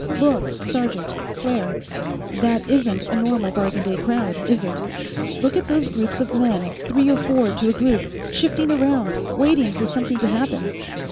"Look, sergeant, Claire. That isn't a normal bargain day crowd, is it? Look at those groups of men, three or four to a group, shifting around, waiting for something to happen.